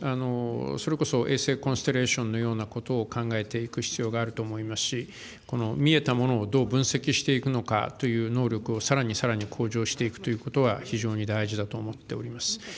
それこそ衛星コンステレーションのようなことを考えていく必要があると思いますし、見えたものをどう分析していくのかという能力をさらにさらに向上していくということは、非常に大事だと思っております。